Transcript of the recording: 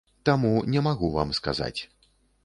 Таму не магу вам сказаць.